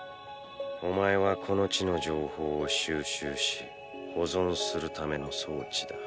お前はこの地の情報を収集し保存するための装置だ。